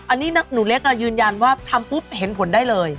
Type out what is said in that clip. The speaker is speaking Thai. อันนี้หนูเล็กยืนยันว่าทำปุ๊บเห็นผลได้เลย